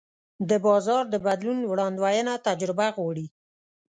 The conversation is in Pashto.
د بازار د بدلون وړاندوینه تجربه غواړي.